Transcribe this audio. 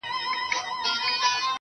د دوى په نيت ورسره نه اوسيږو.